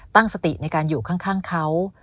ตั้งสติในการอยู่ข้างเขา